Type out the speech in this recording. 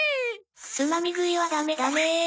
つまみ食いはダメダメ！